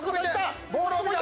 ボールを見て。